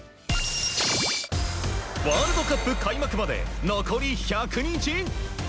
ワールドカップ開幕まで残り１００日。